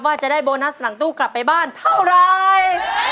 ว่าจะได้โบนัสหลังตู้กลับไปบ้านเท่าไร